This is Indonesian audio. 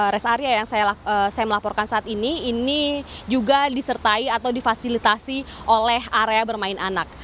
rest area yang saya melaporkan saat ini ini juga disertai atau difasilitasi oleh area bermain anak